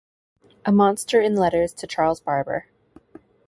A monster in letters to Charles Barber.